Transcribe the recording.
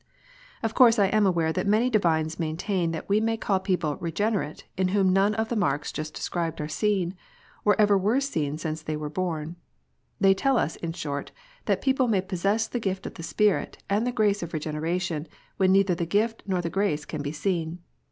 Of course I am aware that many divines maintain that we may call people " regenerate," in whom none of the marks just described are seen, or ever were seen since they were born. They tell us, in short, that people may possess the gift of the Spirit, and the grace of Regeneration, when neither the gift nor the grace can be seen.